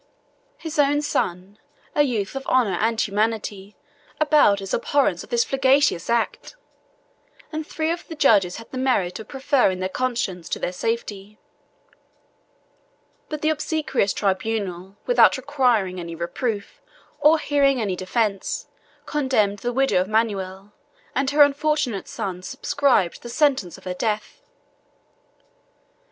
His own son, a youth of honor and humanity, avowed his abhorrence of this flagitious act, and three of the judges had the merit of preferring their conscience to their safety: but the obsequious tribunal, without requiring any reproof, or hearing any defence, condemned the widow of Manuel; and her unfortunate son subscribed the sentence of her death.